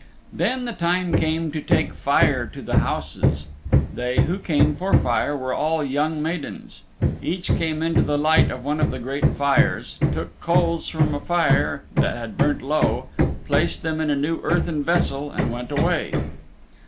Then the time came to take fire to the houses. They who came for fire were all young maidens. Each came into the light of one of the great fires, took coals from a fire that had burnt low, placed them in a new earthen vessel and went away.